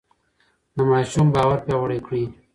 د ماشوم باور پیاوړی کړئ.